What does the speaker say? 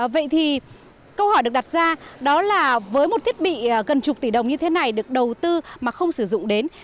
vậy thì câu hỏi được đặt ra đó là với một thiết bị gần chục tỷ đồng như thế này được đầu tư mà không sử dụng đến